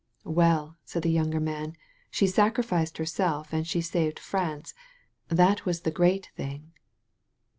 ''WeQ/' said the younger man, ''she sacrificed herself and she saved France. That was the great thing."